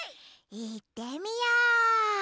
いってみよう！